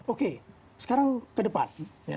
oke sekarang ke depan